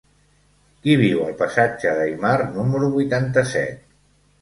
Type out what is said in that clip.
Qui viu al passatge d'Aymar número vuitanta-set?